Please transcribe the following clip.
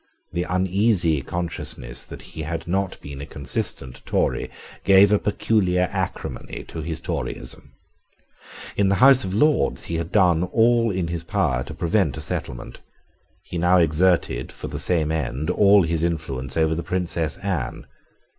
The uneasy consciousness that he had not been a consistent Tory gave a peculiar acrimony to his Toryism. In the House of Lords he had done all in his power to prevent a settlement. He now exerted, for the same end, all his influence over the Princess Anne.